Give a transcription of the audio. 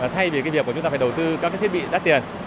thay vì cái việc mà chúng ta phải đầu tư các cái thiết bị đắt tiền